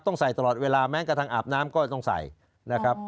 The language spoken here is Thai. ต้องใส่ตลอดเวลาแม้กระทั่งอาบน้ำก็ต้องใส่นะครับ